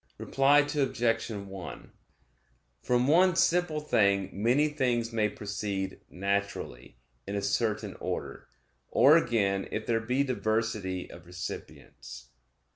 Reply Obj. 1: From one simple thing many things may proceed naturally, in a certain order; or again if there be diversity of recipients.